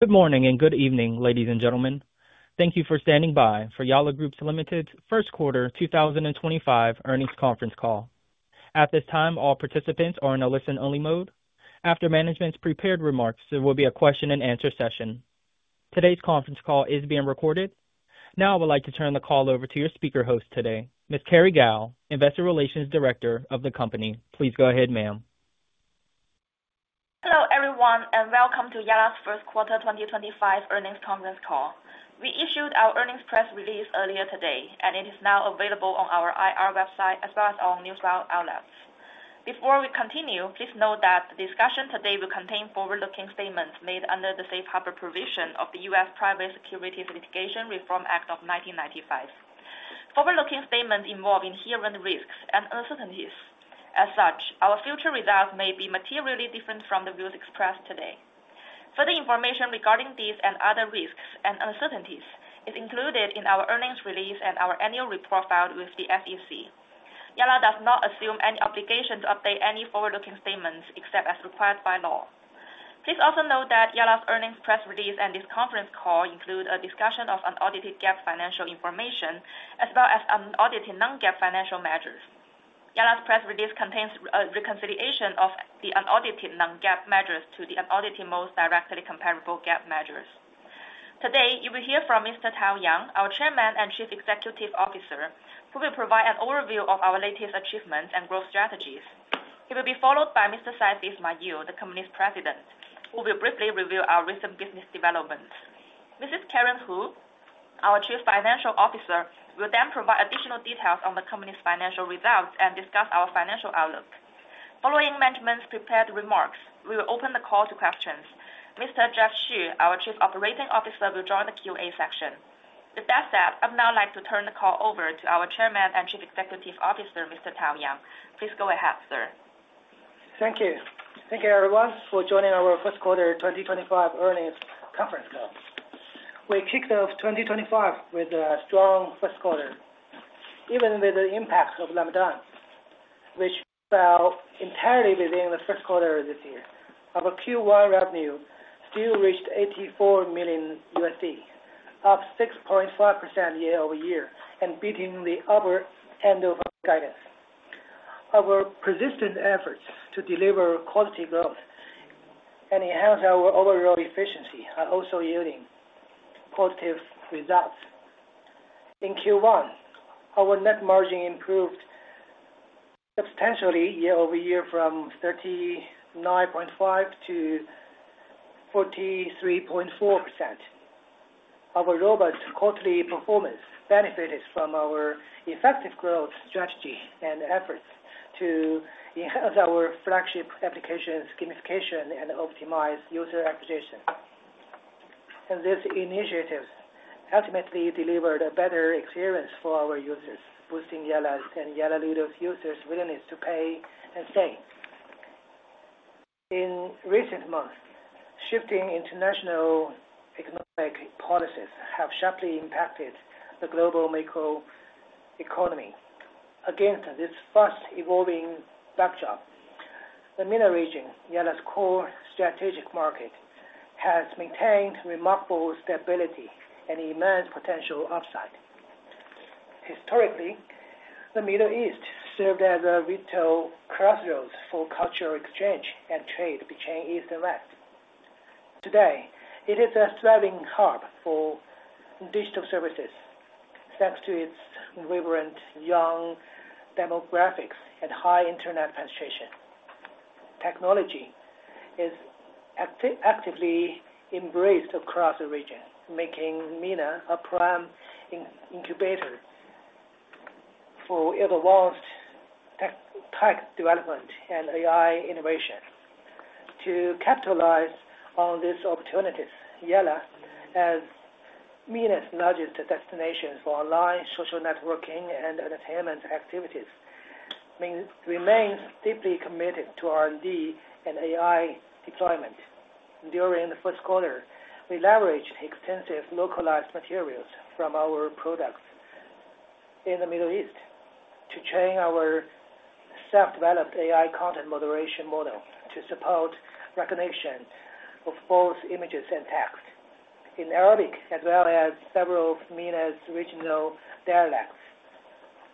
Good morning and good evening, ladies and gentlemen. Thank you for standing by for Yalla Group Limited's first quarter 2025 earnings conference call. At this time, all participants are in a listen-only mode. After management's prepared remarks, there will be a Q&A session. Today's conference call is being recorded. Now, I would like to turn the call over to your speaker host today, Ms. Kerry Gao, Investor Relations Director of the company. Please go ahead, ma'am. Hello, everyone, and welcome to Yalla's First Quarter 2025 earnings conference call. We issued our earnings press release earlier today, and it is now available on our IR website as well as on Newsround outlets. Before we continue, please note that the discussion today will contain forward-looking statements made under the Safe Harbor provision of the U.S. Private Securities Litigation Reform Act of 1995. Forward-looking statements involve inherent risks and uncertainties. As such, our future results may be materially different from the views expressed today. Further information regarding these and other risks and uncertainties is included in our earnings release and our annual report filed with the SEC. Yalla does not assume any obligation to update any forward-looking statements except as required by law. Please also note that Yalla's earnings press release and this conference call include a discussion of unaudited GAAP financial information as well as unaudited non-GAAP financial measures. Yalla's press release contains a reconciliation of the unaudited non-GAAP measures to the unaudited most directly comparable GAAP measures. Today, you will hear from Mr. Tao Yang, our Chairman and Chief Executive Officer, who will provide an overview of our latest achievements and growth strategies. He will be followed by Mr. Saifi Ismail, the company's President, who will briefly reveal our recent business developments. Mrs. Karen Hu, our Chief Financial Officer, will then provide additional details on the company's financial results and discuss our financial outlook. Following management's prepared remarks, we will open the call to questions. Mr. Jeff Xu, our Chief Operating Officer, will join the Q&A section. With that said, I'd now like to turn the call over to our Chairman and Chief Executive Officer, Mr. Tao Yang. Please go ahead, sir. Thank you. Thank you, everyone, for joining our first quarter 2025 earnings conference call. We kicked off 2025 with a strong first quarter, even with the impact of Ramadan, which fell entirely within the first quarter this year. Our Q1 revenue still reached $84 million, up 6.5% year-over-year, and beating the upper end of our guidance. Our persistent efforts to deliver quality growth and enhance our overall efficiency are also yielding positive results. In Q1, our net margin improved substantially year-over-year from 39.5%-43.4%. Our robust quarterly performance benefited from our effective growth strategy and efforts to enhance our flagship application's gamification and optimize user acquisition. These initiatives ultimately delivered a better experience for our users, boosting Yalla's and Yalla Ludo's users' willingness to pay and stay. In recent months, shifting international economic policies have sharply impacted the global microeconomy. Against this fast-evolving backdrop, the MENA region, Yalla's core strategic market, has maintained remarkable stability and immense potential upside. Historically, the Middle East served as a vital crossroads for cultural exchange and trade between east and west. Today, it is a thriving hub for digital services thanks to its vibrant young demographics and high internet penetration. Technology is actively embraced across the region, making MENA a prime incubator for advanced tech development and AI innovation. To capitalize on these opportunities, Yalla, as MENA's largest destination for online social networking and entertainment activities, remains deeply committed to R&D and AI deployment. During the first quarter, we leveraged extensive localized materials from our products in the Middle East to train our self-developed AI content moderation model to support recognition of both images and text in Arabic as well as several MENA's regional dialects.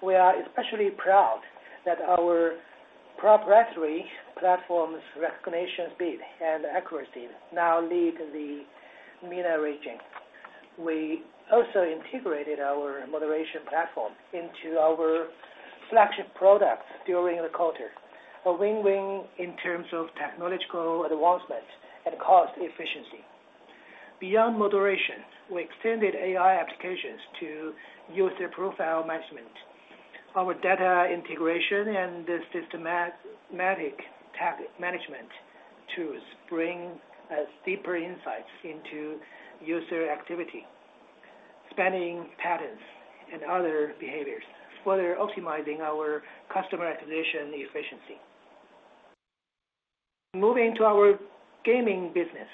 We are especially proud that our proprietary platform's recognition speed and accuracy now lead the MENA region. We also integrated our moderation platform into our flagship products during the quarter, a win-win in terms of technological advancement and cost efficiency. Beyond moderation, we extended AI applications to user profile management. Our data integration and systematic tech management tools bring deeper insights into user activity, spending patterns, and other behaviors, further optimizing our customer acquisition efficiency. Moving to our gaming business,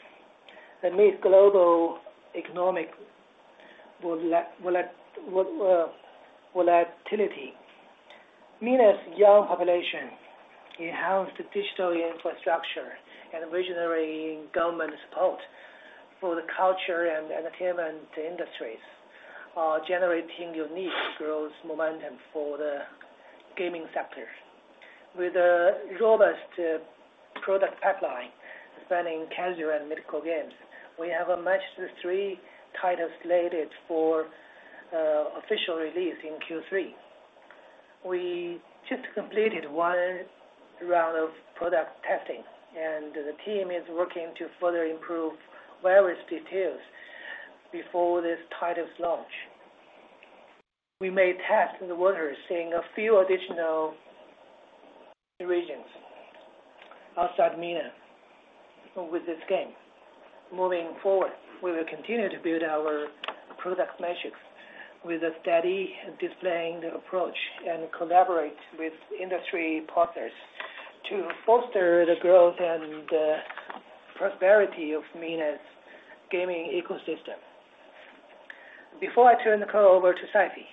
amid global economic volatility, MENA's young population, enhanced digital infrastructure, and visionary government support for the culture and entertainment industries generated unique growth momentum for the gaming sector. With a robust product pipeline spanning casual and mythical games, we have matched three titles slated for official release in Q3. We just completed one round of product testing, and the team is working to further improve various details before this title's launch. We may test the waters in a few additional regions outside MENA with this game. Moving forward, we will continue to build our product metrics with a steady displaying approach and collaborate with industry partners to foster the growth and prosperity of MENA's gaming ecosystem. Before I turn the call over to Saifi,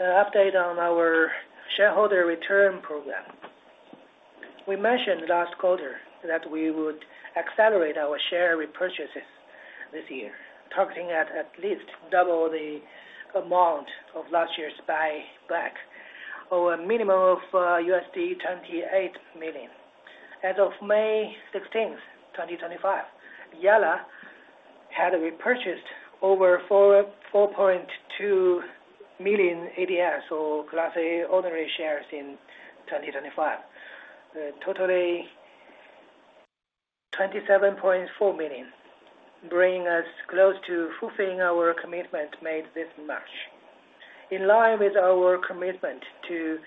an update on our shareholder return program. We mentioned last quarter that we would accelerate our share repurchases this year, targeting at at least double the amount of last year's buyback, or a minimum of $28 million. As of May 16, 2025, Yalla had repurchased over 4.2 million ADS or Class A ordinary shares in 2025, totaling $27.4 million, bringing us close to fulfilling our commitment made this March. In line with our commitment to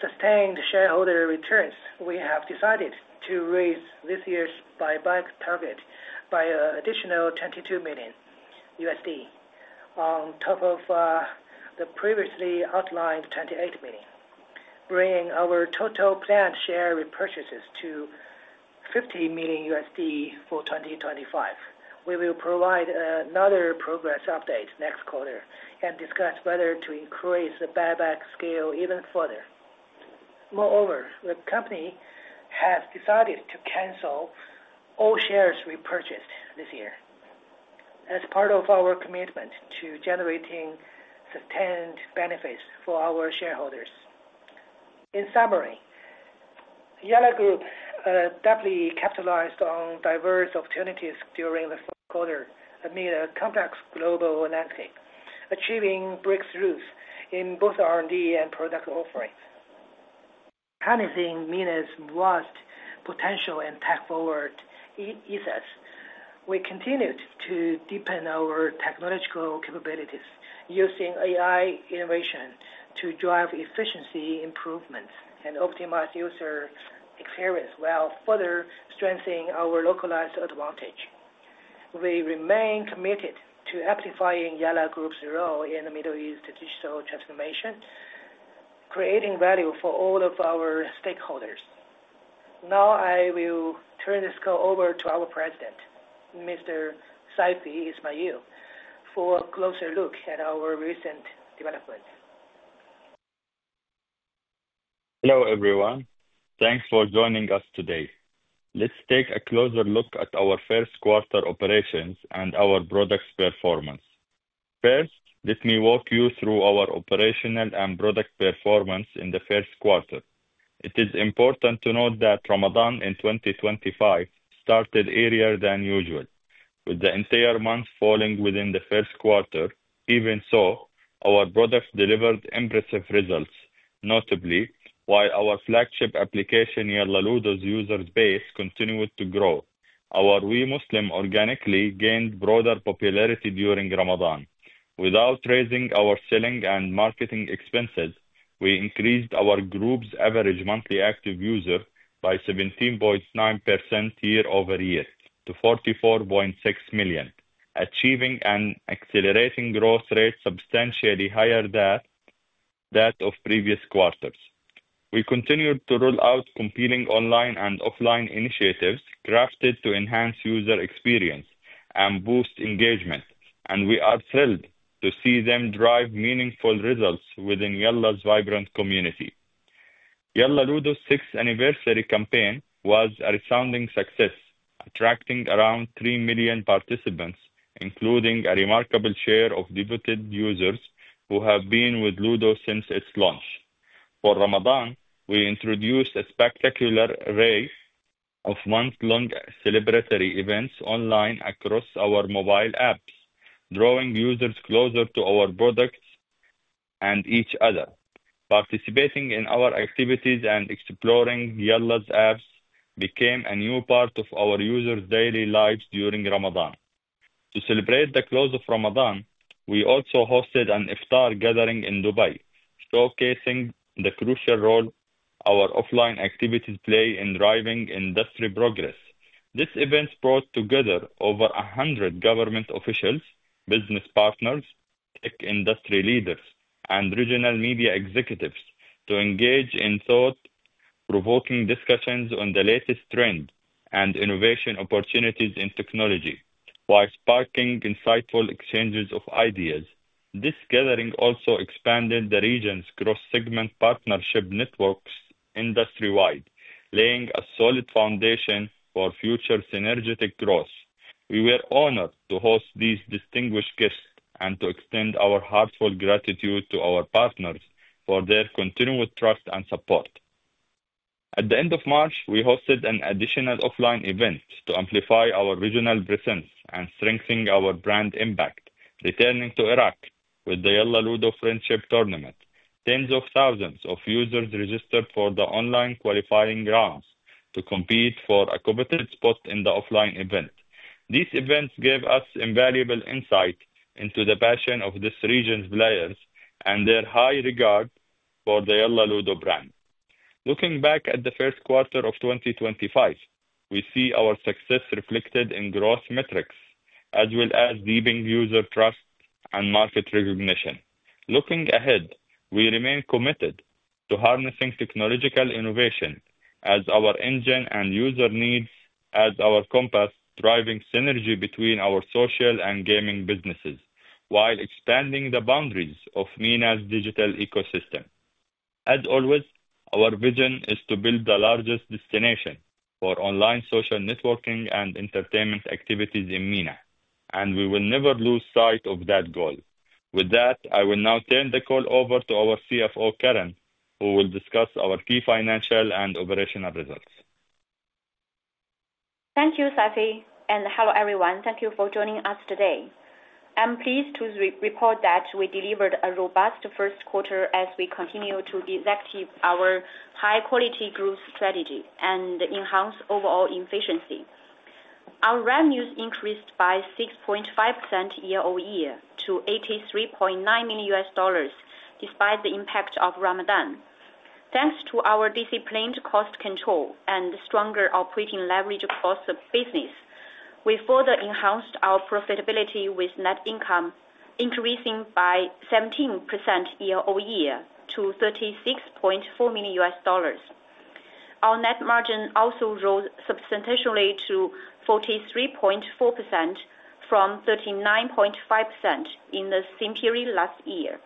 sustained shareholder returns, we have decided to raise this year's buyback target by an additional $22 million on top of the previously outlined $28 million, bringing our total planned share repurchases to $50 million for 2025. We will provide another progress update next quarter and discuss whether to increase the buyback scale even further. Moreover, the company has decided to cancel all shares repurchased this year as part of our commitment to generating sustained benefits for our shareholders. In summary, Yalla Group doubly capitalized on diverse opportunities during the first quarter amid a complex global landscape, achieving breakthroughs in both R&D and product offerings. Harnessing MENA's vast potential and tech-forward ethos, we continued to deepen our technological capabilities, using AI innovation to drive efficiency improvements and optimize user experience while further strengthening our localized advantage. We remain committed to amplifying Yalla Group's role in the Middle East digital transformation, creating value for all of our stakeholders. Now, I will turn this call over to our President, Mr. Saifi Ismail, for a closer look at our recent developments. Hello, everyone. Thanks for joining us today. Let's take a closer look at our first quarter operations and our products' performance. First, let me walk you through our operational and product performance in the first quarter. It is important to note that Ramadan in 2025 started earlier than usual, with the entire month falling within the first quarter. Even so, our products delivered impressive results, notably while our flagship application, Yalla Ludo's user base, continued to grow. Our WeMuslim organically gained broader popularity during Ramadan. Without raising our selling and marketing expenses, we increased our group's average monthly active user by 17.9% year-over-year to 44.6 million, achieving an accelerating growth rate substantially higher than that of previous quarters. We continued to roll out competing online and offline initiatives crafted to enhance user experience and boost engagement, and we are thrilled to see them drive meaningful results within Yalla's vibrant community. Yalla Ludo's sixth anniversary campaign was a resounding success, attracting around 3 million participants, including a remarkable share of devoted users who have been with Ludo since its launch. For Ramadan, we introduced a spectacular array of month-long celebratory events online across our mobile apps, drawing users closer to our products and each other. Participating in our activities and exploring Yalla's apps became a new part of our users' daily lives during Ramadan. To celebrate the close of Ramadan, we also hosted an iftar gathering in Dubai, showcasing the crucial role our offline activities play in driving industry progress. This event brought together over 100 government officials, business partners, tech industry leaders, and regional media executives to engage in thought-provoking discussions on the latest trends and innovation opportunities in technology, while sparking insightful exchanges of ideas. This gathering also expanded the region's cross-segment partnership networks industry-wide, laying a solid foundation for future synergetic growth. We were honored to host these distinguished guests and to extend our heartfelt gratitude to our partners for their continued trust and support. At the end of March, we hosted an additional offline event to amplify our regional presence and strengthen our brand impact. Returning to Iraq with the Yalla Ludo Friendship Tournament, tens of thousands of users registered for the online qualifying rounds to compete for a coveted spot in the offline event. These events gave us invaluable insight into the passion of this region's players and their high regard for the Yalla Ludo brand. Looking back at the first quarter of 2025, we see our success reflected in growth metrics as well as deepened user trust and market recognition. Looking ahead, we remain committed to harnessing technological innovation as our engine and user needs, as our compass, driving synergy between our social and gaming businesses while expanding the boundaries of MENA's digital ecosystem. As always, our vision is to build the largest destination for online social networking and entertainment activities in MENA, and we will never lose sight of that goal. With that, I will now turn the call over to our CFO, Karen, who will discuss our key financial and operational results. Thank you, Saifi. Hello, everyone. Thank you for joining us today. I'm pleased to report that we delivered a robust first quarter as we continue to execute our high-quality growth strategy and enhance overall efficiency. Our revenues increased by 6.5% year-over-year to $83.9 million despite the impact of Ramadan. Thanks to our disciplined cost control and stronger operating leverage across the business, we further enhanced our profitability with net income increasing by 17% year-over-year to $36.4 million. Our net margin also rose substantially to 43.4% from 39.5% in the same period last year.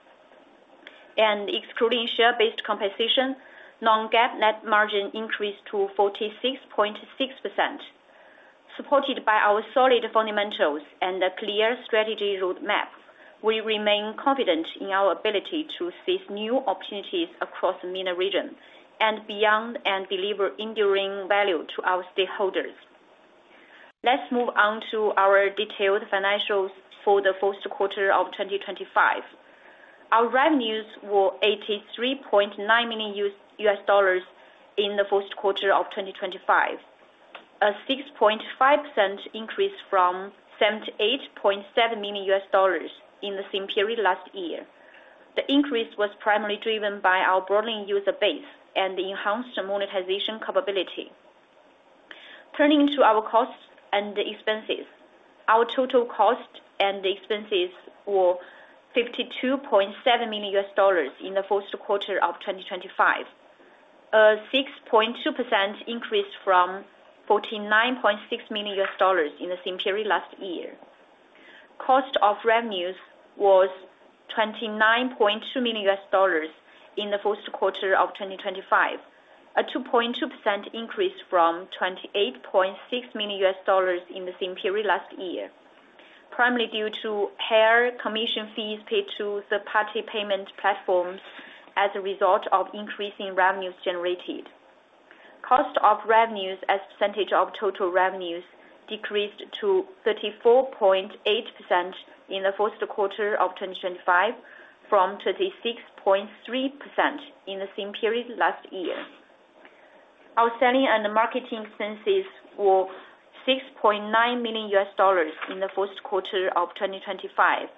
Excluding share-based compensation, non-GAAP net margin increased to 46.6%. Supported by our solid fundamentals and a clear strategy roadmap, we remain confident in our ability to seize new opportunities across the MENA region and beyond and deliver enduring value to our stakeholders. Let's move on to our detailed financials for the first quarter of 2025. Our revenues were $83.9 million in the first quarter of 2025, a 6.5% increase from $78.7 million in the same period last year. The increase was primarily driven by our broadening user base and enhanced monetization capability. Turning to our costs and expenses, our total cost and expenses were $52.7 million in the first quarter of 2025, a 6.2% increase from $49.6 million in the same period last year. Cost of revenues was $29.2 million in the first quarter of 2025, a 2.2% increase from $28.6 million in the same period last year, primarily due to higher commission fees paid to third-party payment platforms as a result of increasing revenues generated. Cost of revenues as a percentage of total revenues decreased to 34.8% in the first quarter of 2025 from 36.3% in the same period last year. Our selling and marketing expenses were $6.9 million in the first quarter of 2025,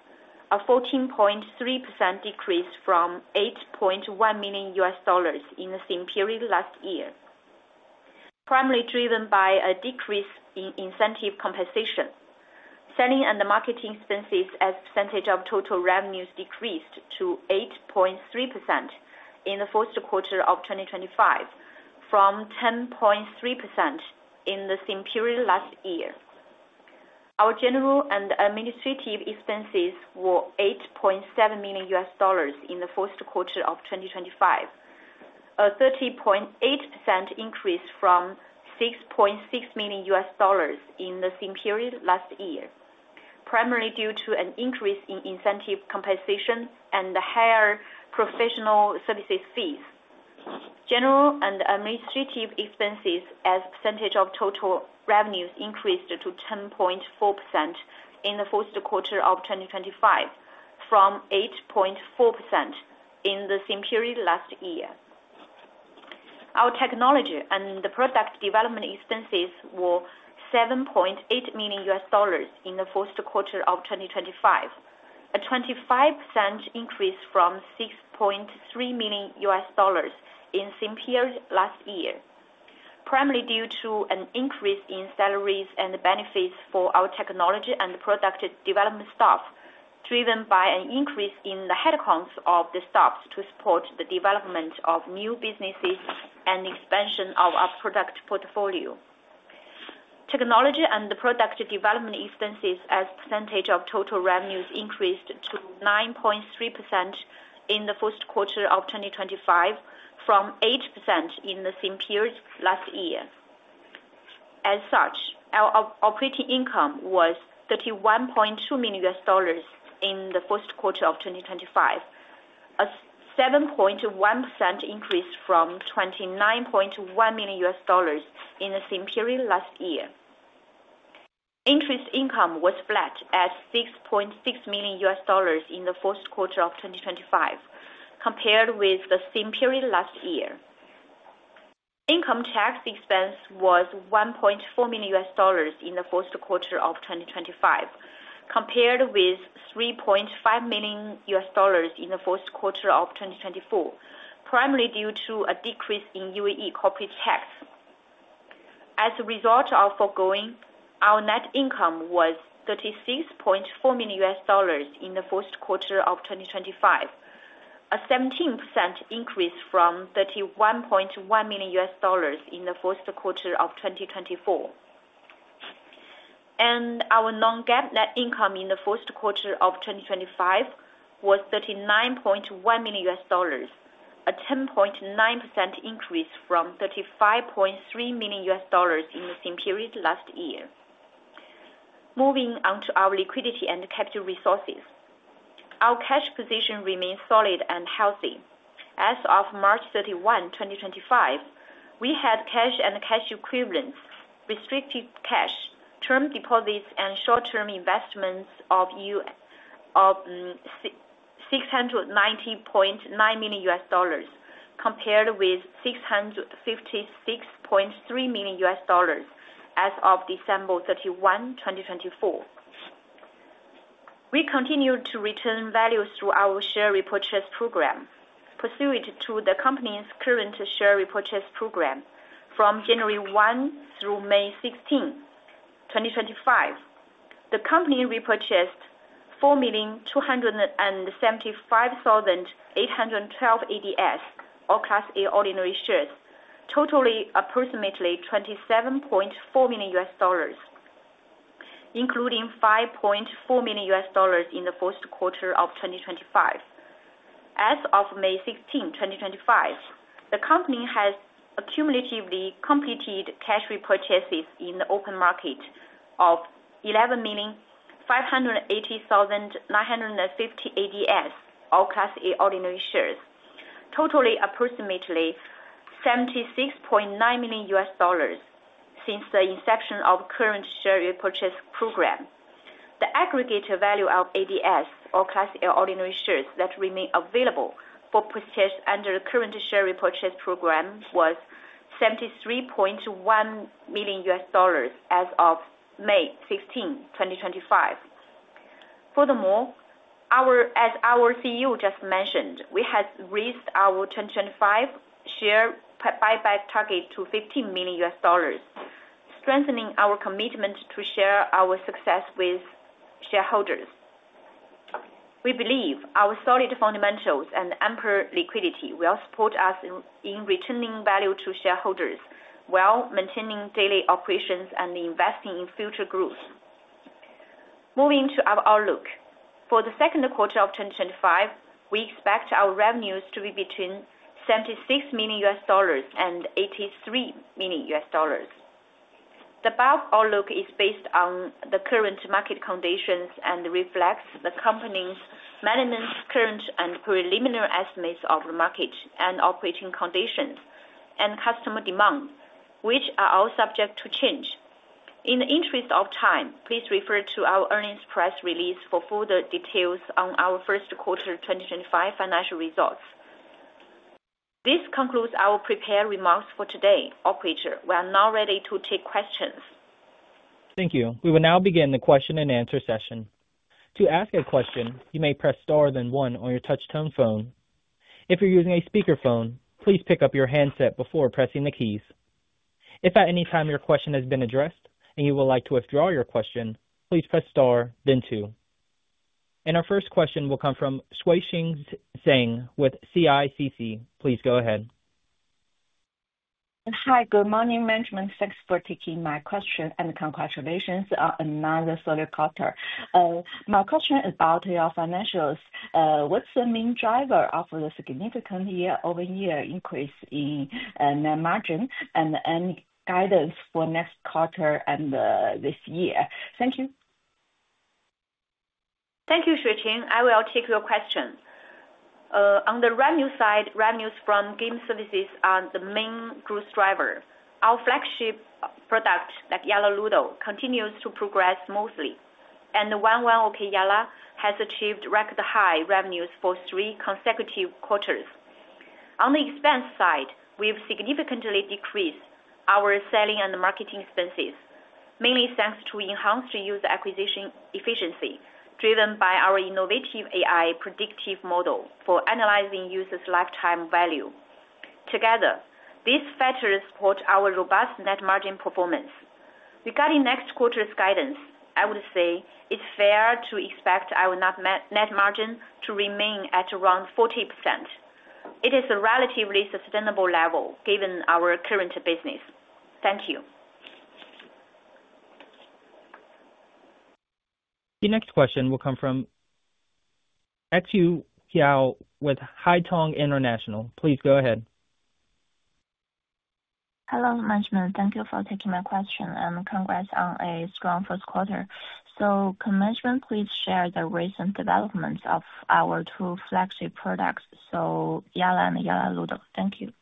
a 14.3% decrease from $8.1 million in the same period last year, primarily driven by a decrease in incentive compensation. Selling and marketing expenses as a percentage of total revenues decreased to 8.3% in the first quarter of 2025 from 10.3% in the same period last year. Our general and administrative expenses were $8.7 million in the first quarter of 2025, a 30.8% increase from $6.6 million in the same period last year, primarily due to an increase in incentive compensation and higher professional services fees. General and administrative expenses as a percentage of total revenues increased to 10.4% in the first quarter of 2025 from 8.4% in the same period last year. Our technology and product development expenses were $7.8 million in the first quarter of 2025, a 25% increase from $6.3 million in the same period last year, primarily due to an increase in salaries and benefits for our technology and product development staff, driven by an increase in the headcount of the staff to support the development of new businesses and expansion of our product portfolio. Technology and product development expenses as a percentage of total revenues increased to 9.3% in the first quarter of 2025 from 8% in the same period last year. As such, our operating income was $31.2 million in the first quarter of 2025, a 7.1% increase from $29.1 million in the same period last year. Interest income was flat at $6.6 million in the first quarter of 2025, compared with the same period last year. Income tax expense was $1.4 million in the first quarter of 2025, compared with $3.5 million in the first quarter of 2024, primarily due to a decrease in UAE corporate tax. As a result of forgoing, our net income was $36.4 million in the first quarter of 2025, a 17% increase from $31.1 million in the first quarter of 2024. Our non-GAAP net income in the first quarter of 2025 was $39.1 million, a 10.9% increase from $35.3 million in the same period last year. Moving on to our liquidity and capital resources, our cash position remains solid and healthy. As of March 31, 2025, we had cash and cash equivalents, restricted cash, term deposits, and short-term investments of $690.9 million, compared with $656.3 million as of December 31, 2024. We continued to return value through our share repurchase program, pursuant to the company's current share repurchase program from January 1 through May 16, 2025. The company repurchased 4,275,812 ADS or Class A ordinary shares, totaling approximately $27.4 million, including $5.4 million in the first quarter of 2025. As of May 16, 2025, the company has accumulatively completed cash repurchases in the open market of 11,580,950 ADS or Class A ordinary shares, totaling approximately $76.9 million since the inception of the current share repurchase program. The aggregated value of ADS or Class A ordinary shares that remain available for purchase under the current share repurchase program was $73.1 million as of May 16, 2025. Furthermore, as our CEO just mentioned, we have raised our 2025 share buyback target to $15 million, strengthening our commitment to share our success with shareholders. We believe our solid fundamentals and ample liquidity will support us in returning value to shareholders while maintaining daily operations and investing in future growth. Moving to our outlook, for the second quarter of 2025, we expect our revenues to be between $76 million and $83 million. The above outlook is based on the current market conditions and reflects the company's maintenance, current, and preliminary estimates of the market and operating conditions and customer demand, which are all subject to change. In the interest of time, please refer to our earnings press release for further details on our first quarter 2025 financial results. This concludes our prepared remarks for today. Operator, we are now ready to take questions. Thank you. We will now begin the question and answer session. To ask a question, you may press star then one on your touch-tone phone. If you're using a speakerphone, please pick up your handset before pressing the keys. If at any time your question has been addressed and you would like to withdraw your question, please press star, then two. Our first question will come from Xuexing Zeng with CICC. Please go ahead. Hi, good morning. Management, thanks for taking my question and congratulations on another solid quarter. My question is about your financials. What's the main driver of the significant year-over-year increase in net margin and guidance for next quarter and this year? Thank you. Thank you, Xuexing. I will take your question. On the revenue side, revenues from game services are the main growth driver. Our flagship product like Yalla Ludo continues to progress smoothly, and 101 Okey Yalla has achieved record-high revenues for three consecutive quarters. On the expense side, we've significantly decreased our selling and marketing expenses, mainly thanks to enhanced user acquisition efficiency driven by our innovative AI predictive model for analyzing users' lifetime value. Together, these factors support our robust net margin performance. Regarding next quarter's guidance, I would say it's fair to expect our net margin to remain at around 40%. It is a relatively sustainable level given our current business. Thank you. The next question will come from Xu Yao with Haitong International. Please go ahead. Hello, Management. Thank you for taking my question and congrats on a strong first quarter. Management, please share the recent developments of our two flagship products, Yalla and Yalla Ludo. Thank you.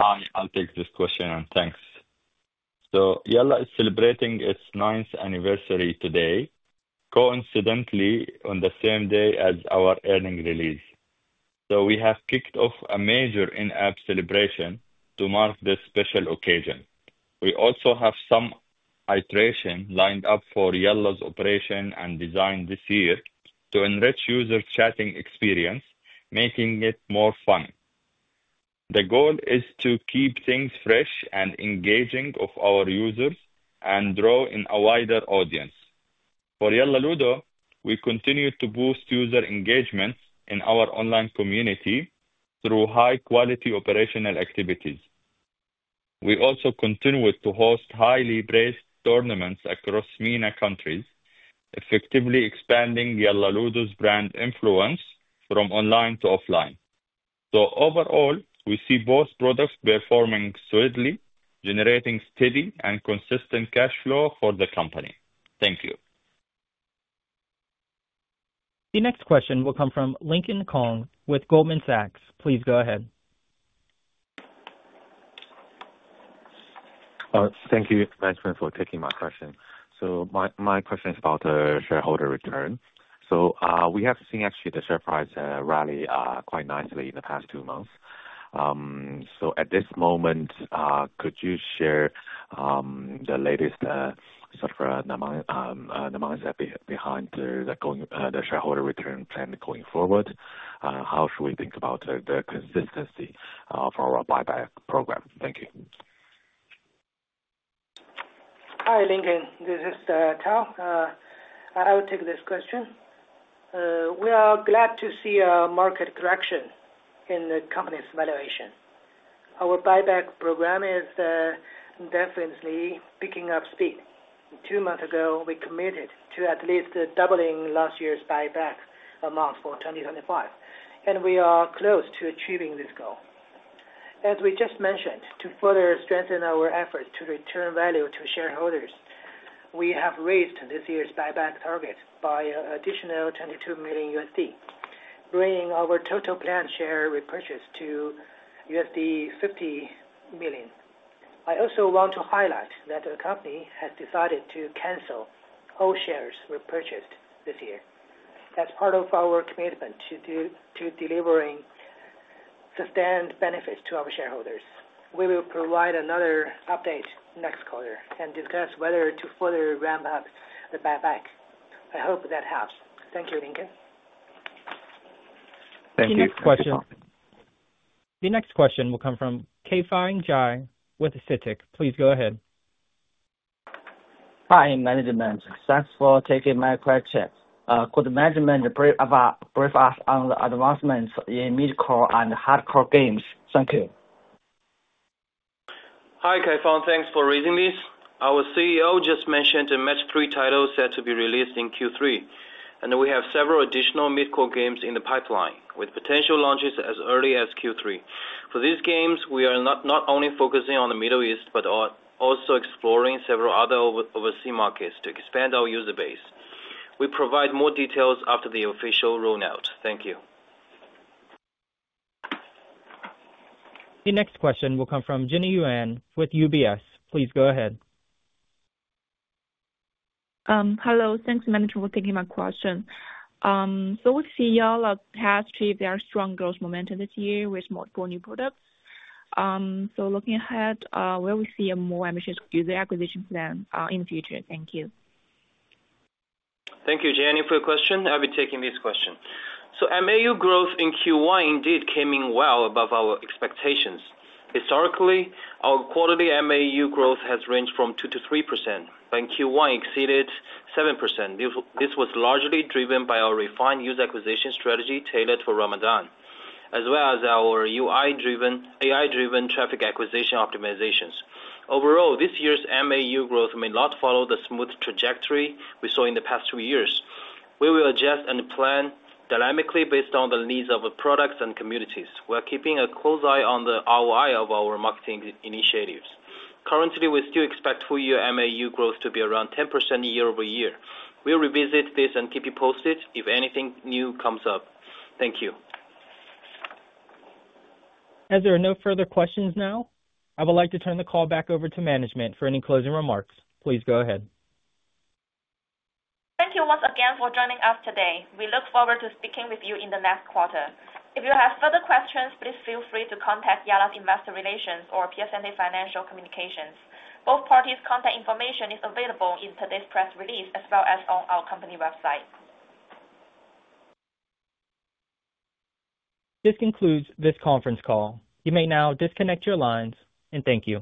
Hi, I'll take this question, and thanks. Yalla is celebrating its ninth anniversary today, coincidentally on the same day as our earnings release. We have kicked off a major in-app celebration to mark this special occasion. We also have some iteration lined up for Yalla's operation and design this year to enrich users' chatting experience, making it more fun. The goal is to keep things fresh and engaging for our users and draw in a wider audience. For Yalla Ludo, we continue to boost user engagement in our online community through high-quality operational activities. We also continue to host highly praised tournaments across MENA countries, effectively expanding Yalla Ludo's brand influence from online to offline. Overall, we see both products performing solidly, generating steady and consistent cash flow for the company. Thank you. The next question will come from Lincoln Kong with Goldman Sachs. Please go ahead. Thank you, Management, for taking my question. My question is about shareholder return. We have seen actually the share price rally quite nicely in the past two months. At this moment, could you share the latest sort of analysis behind the shareholder return plan going forward? How should we think about the consistency of our buyback program? Thank you. Hi, Lincoln. This is Tao. I will take this question. We are glad to see a market correction in the company's valuation. Our buyback program is definitely picking up speed. Two months ago, we committed to at least doubling last year's buyback amount for 2025, and we are close to achieving this goal. As we just mentioned, to further strengthen our efforts to return value to shareholders, we have raised this year's buyback target by an additional $22 million, bringing our total planned share repurchase to $50 million. I also want to highlight that the company has decided to cancel all shares repurchased this year. That's part of our commitment to delivering sustained benefits to our shareholders. We will provide another update next quarter and discuss whether to further ramp up the buyback. I hope that helps. Thank you, Lincoln. Thank you. Thank you. The next question will come from Kei Fang Jai with CITIC. Please go ahead. Hi, Management. Successful taking my question. Could Management brief us on the advancements in mid-core and hardcore games? Thank you. Hi, Kei Fang. Thanks for raising these. Our CEO just mentioned the match three titles set to be released in Q3, and we have several additional mid-core games in the pipeline with potential launches as early as Q3. For these games, we are not only focusing on the Middle East but also exploring several other overseas markets to expand our user base. We'll provide more details after the official rollout. Thank you. The next question will come from Jing Yuan with UBS. Please go ahead. Hello. Thanks, Management, for taking my question. We see Yalla's past year, there are strong growth momentum this year with multiple new products. Looking ahead, where we see a more ambitious user acquisition plan in the future. Thank you. Thank you, Jianfeng, for the question. I'll be taking this question. So MAU growth in Q1 indeed came in well above our expectations. Historically, our quarterly MAU growth has ranged from 2% to 3%, but in Q1, it exceeded 7%. This was largely driven by our refined user acquisition strategy tailored for Ramadan, as well as our AI-driven traffic acquisition optimizations. Overall, this year's MAU growth may not follow the smooth trajectory we saw in the past two years. We will adjust and plan dynamically based on the needs of our products and communities while keeping a close eye on the ROI of our marketing initiatives. Currently, we still expect full-year MAU growth to be around 10% year-over-year. We'll revisit this and keep you posted if anything new comes up. Thank you. As there are no further questions now, I would like to turn the call back over to Management for any closing remarks. Please go ahead. Thank you once again for joining us today. We look forward to speaking with you in the next quarter. If you have further questions, please feel free to contact Yalla's Investor Relations or Piacente Financial Communications. Both parties' contact information is available in today's press release as well as on our company website. This concludes this conference call. You may now disconnect your lines, and thank you.